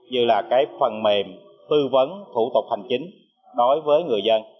như là cái phần mềm tư vấn thủ tục hành chính đối với người dân